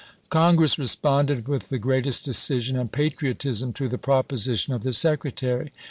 ^ Congress responded with the greatest decision and patriotism to the proposition of the Secretary.